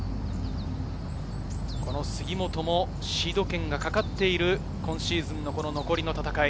この杉本もシード権がかかっている今シーズンの残りの戦い。